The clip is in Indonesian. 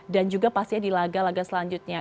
dan juga pastinya di laga laga selanjutnya